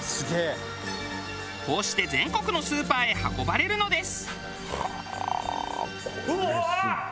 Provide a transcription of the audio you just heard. こうして全国のスーパーへ運ばれるのです。